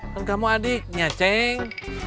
kan kamu adiknya ceng